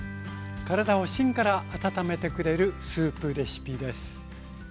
体を芯から温めてくれるスープレシピです。